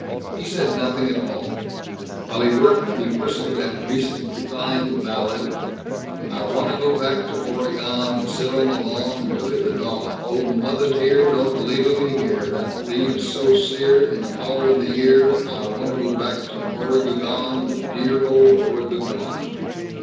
He said nothing at all. While he worked he whistled that recent refined ballad: I wanta go back to Oregon And sit on the lawn, and look at the dawn. Oh motheruh dear, don't leavuh me here, The leaves are so sere, in the fallothe year, I wanta go back to Oregugon, To dearuh old Oregugon.